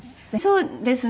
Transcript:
そうですね。